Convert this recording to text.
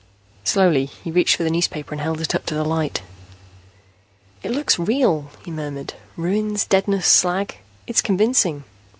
Slowly, he reached for the newspaper and held it up to the light. "It looks real," he murmured. "Ruins, deadness, slag. It's convincing.